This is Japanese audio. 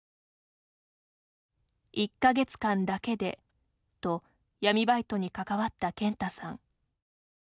１か月間だけでと闇バイトに関わった健太さん。